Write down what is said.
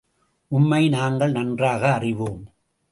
உம்மை நாங்கள் நன்றாக அறிவோம்.